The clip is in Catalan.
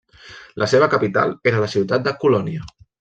La seva capital era la ciutat de Colònia.